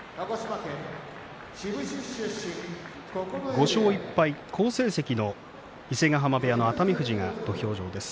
５勝１敗、好成績の伊勢ヶ濱部屋の熱海富士が土俵上です。